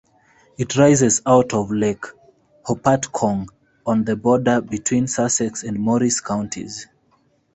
It rises out of Lake Hopatcong, on the border between Sussex and Morris counties.